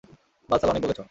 বাল-ছাল অনেক বকেছ।